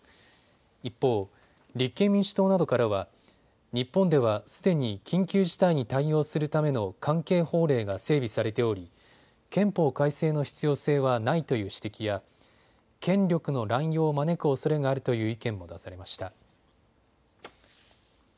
一方、立憲民主党などからは日本ではすでに緊急事態に対応するための関係法令が整備されており憲法改正の必要性はないという指摘や権力の乱用を招くおそれがあるという意見も出されました。